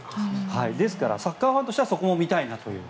ですからサッカーファンとしてはそこも見たいなという。